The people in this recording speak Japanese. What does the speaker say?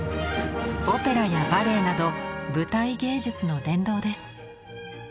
オペラやバレエなど舞台芸術の殿堂です。